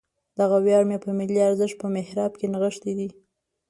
دغه ویاړ مې په ملي ارزښت په محراب کې نغښتی دی.